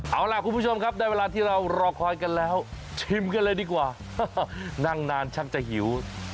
เอาล่ะคุณผู้ชมครับได้เวลาที่เรารอคอยกันแล้วชิมกันเลยดีกว่านั่งนานชักจะหิว